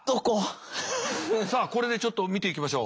さあこれでちょっと見ていきましょう。